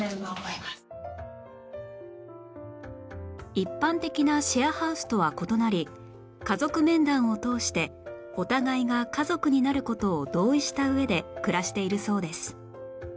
一般的なシェアハウスとは異なり家族面談を通してお互いが家族になる事を同意した上で暮らしているそうです